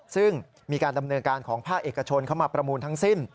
ซึ่งมีการดำเนินการของภาคเอกชนเข้ามาประมูลทั้งสิ้น